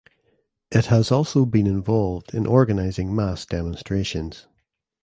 It has also been involved in organizing mass demonstrations.